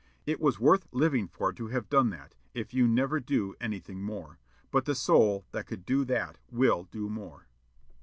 It was worth living for to have done that, if you never do anything more. But the soul that could do that will do more."